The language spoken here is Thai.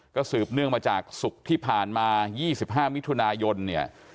ก็สืบเนื่องมาจากศุกร์ที่ผ่านมา๒๕มิถุนายนเนี่ย